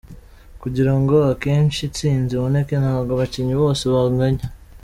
Kugira ngo akenshi intsinzi iboneke ntabwo abakinnyi bose banganya.